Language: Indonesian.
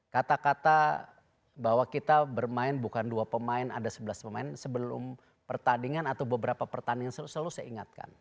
kata kata bahwa kita bermain bukan dua pemain ada sebelas pemain sebelum pertandingan atau beberapa pertandingan selalu saya ingatkan